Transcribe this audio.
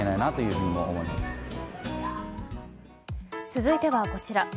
続いてはこちら。